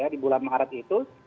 di bulan maret itu